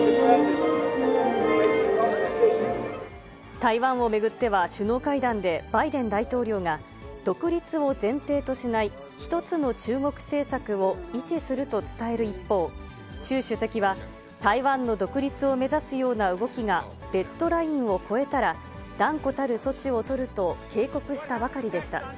台湾を巡っては、首脳会談で、バイデン大統領が、独立を前提としない一つの中国政策を維持すると伝える一方、習主席は、台湾の独立を目指すような動きがレッドラインを越えたら、断固たる措置を取ると警告したばかりでした。